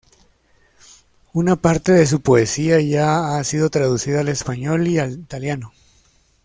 Una parte de su poesía ya ha sido traducida el español y al italiano.